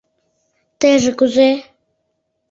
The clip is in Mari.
Тыйже кузе?..